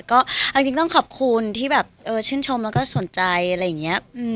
ก็ต้องขอบคุณที่ชื่นชมสนใจ